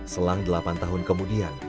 selang delapan tahun kemudian